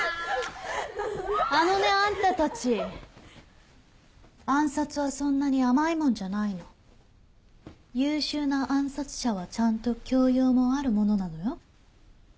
あのねあんたたち暗殺はそんなに甘いもんじゃないの優秀な暗殺者はちゃんと教養もあるものなのよ